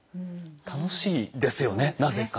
楽しいですよねなぜか。